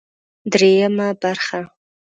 درېيمه برخه